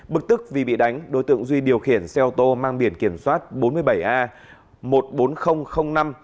bực tức vì bị đánh đối tượng duy điều khiển xe ô tô mang biển kiểm soát bốn mươi bảy a một mươi bốn nghìn năm